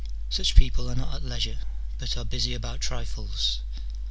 — such people are not at leisure, but are busy about trifles.